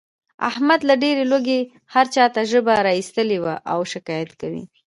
احمد له ډېر لوږې هر چاته ژبه را ایستلې وي او شکایت کوي.